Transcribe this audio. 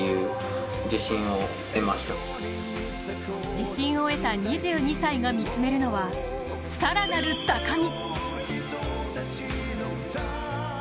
自信を得た２２歳が見つめるのは、更なる高み。